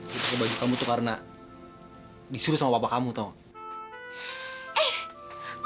dia pakai baju kamu itu karena disuruh sama papa kamu tau gak